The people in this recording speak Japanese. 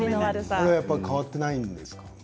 やっぱり変わってないですかね。